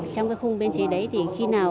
trong cái khung biên chế đấy thì khi nào